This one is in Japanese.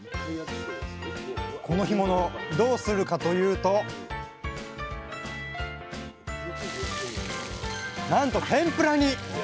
この干物どうするかというとなんと天ぷらに！